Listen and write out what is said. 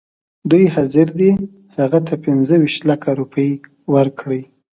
دوی حاضر دي هغه ته پنځه ویشت لکه روپۍ ورکړي.